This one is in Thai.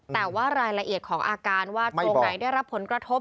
แต่ว่ารายละเอียดของอาการว่าตรงไหนได้รับผลกระทบ